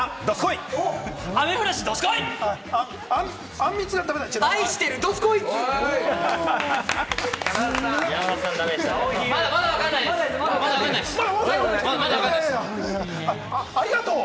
ありがとう！